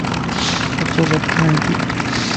اڇو بت کائينتي